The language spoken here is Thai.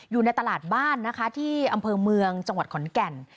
อยู่ในตลาดบ้านนะคะที่อำเภอเมืองจังหวัดขอนแก่น